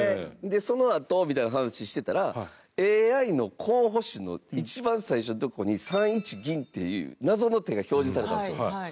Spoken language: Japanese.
「そのあと」みたいな話してたらＡＩの候補手の一番最初のとこに「３一銀」っていう謎の手が表示されたんですよ。